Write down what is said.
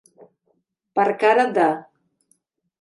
Per cara de.